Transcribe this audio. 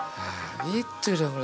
gitu dong lo